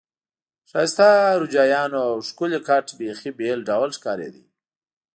ښایسته روجایانو او ښکلي کټ بیخي بېل ډول ښکارېد.